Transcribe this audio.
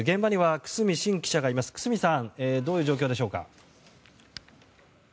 久須美さんどういう状況でしょうか。